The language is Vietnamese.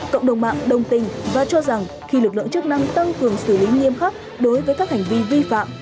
cộng đồng mạng đồng tình và cho rằng khi lực lượng chức năng tăng cường xử lý nghiêm khắc đối với các hành vi vi phạm